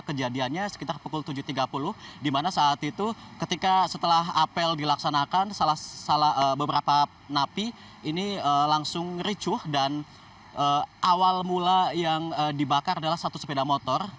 kejadiannya sekitar pukul tujuh tiga puluh dimana saat itu ketika setelah apel dilaksanakan beberapa napi ini langsung ricuh dan awal mula yang dibakar adalah satu sepeda motor